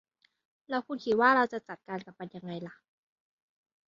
แล้วคุณคิดว่าเราจะจัดการกับมันยังไงล่ะ